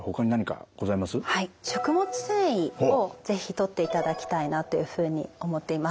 食物繊維を是非とっていただきたいなというふうに思っています。